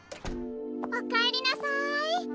おかえりなさい。